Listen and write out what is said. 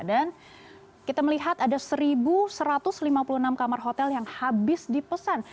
dan kita melihat ada satu satu ratus lima puluh enam kamar hotel yang habis dipesan